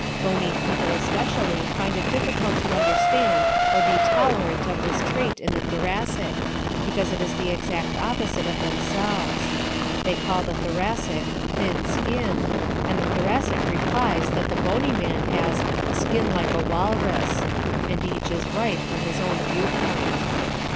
Bony people especially find it difficult to understand or be tolerant of this trait in the Thoracic, because it is the exact opposite of themselves. They call the Thoracic "thin skinned," and the Thoracic replies that the bony man has "a skin like a walrus." And each is right from his own viewpoint.